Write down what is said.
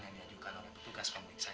yang diajukan oleh petugas pemeriksaan